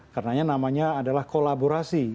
karena namanya adalah kolaborasi